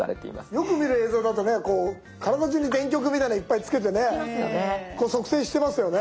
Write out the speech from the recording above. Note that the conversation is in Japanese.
よく見る映像だとねこう体じゅうに電極みたいなのをいっぱいつけてね測定してますよね。